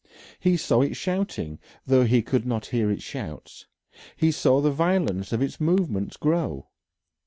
He saw it shouting, though he could not hear its shouts; he saw the violence of its movements grow.